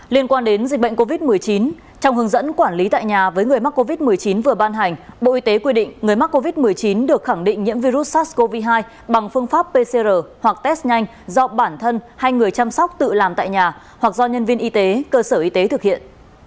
liên quan đến dịch bệnh covid một mươi chín trong hướng dẫn quản lý tại nhà với người mắc covid một mươi chín vừa ban hành bộ y tế quy định người mắc covid một mươi chín được khẳng định nhiễm virus sars cov hai bằng phương pháp pcr hoặc test nhanh do bản thân hay người chăm sóc tự làm tại nhà hoặc do nhân viên y tế cơ sở y tế thực hiện